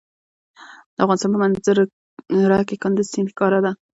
د افغانستان په منظره کې کندز سیند ښکاره ده.